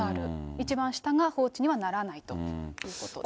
一番下が放置にはならないということです。